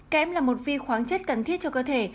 kẽm là một vi khoáng chất cần thiết cho cơ thể